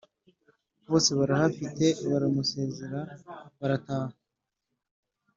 bose barahafite baramusezera barataha